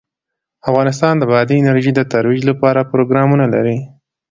افغانستان د بادي انرژي د ترویج لپاره پروګرامونه لري.